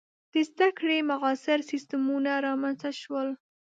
• د زده کړې معاصر سیستمونه رامنځته شول.